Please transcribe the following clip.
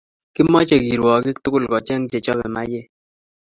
Kimache kirwakik tugul kocheng che chape maiyek